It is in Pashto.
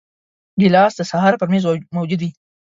ګیلاس د سهار پر میز موجود وي.